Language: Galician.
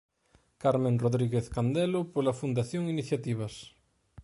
Carmen Rodríguez Candelo pola Fundación Iniciativas.